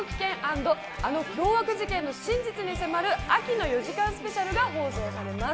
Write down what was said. ＆あの凶悪事件の真実に迫る秋の４時間スペシャルが放送されます。